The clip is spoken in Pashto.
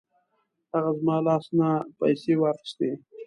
هغه زما له لاس نه پیسې واخیستې.